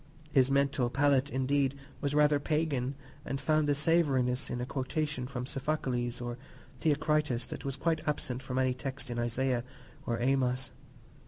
His mental palate, indeed, was rather pagan, and found a savouriness in a quotation from Sophocles or Theocritus that was quite absent from any text in Isaiah or Amos.